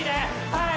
はい！